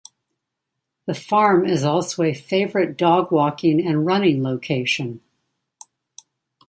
The farm is also a favorite dog walking and running location.